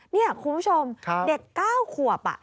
นี่คุณผู้ชมเด็ก๙ขวบ